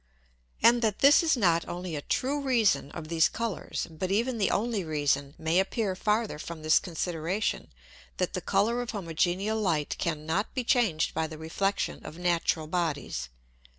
And that this is not only a true reason of these Colours, but even the only reason, may appear farther from this Consideration, that the Colour of homogeneal Light cannot be changed by the Reflexion of natural Bodies.